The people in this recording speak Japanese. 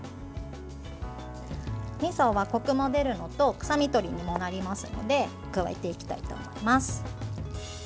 みそは、こくも出るのと臭みとりにもなりますので加えていきたいと思います。